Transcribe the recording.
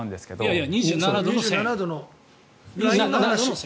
いや、２７度の線。